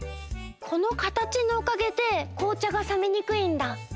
このかたちのおかげでこうちゃがさめにくいんだ。